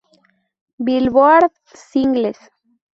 Billboard Singles".